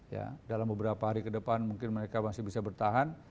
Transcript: ya dalam beberapa hari ke depan mungkin mereka masih bisa bertahan